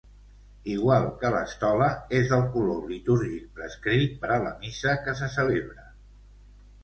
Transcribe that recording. Igual que l'estola, és del color litúrgic prescrit per a la Missa que se celebra.